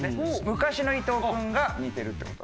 昔の伊藤君が似てるって事。